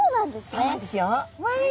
そうなんですよ。